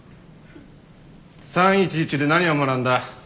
３．１１で何を学んだ？